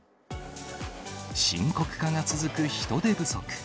深刻化が続く人手不足。